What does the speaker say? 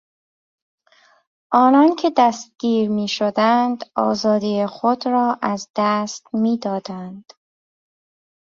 آنان که دستگیر میشدند آزادی خود را از دست میدادند.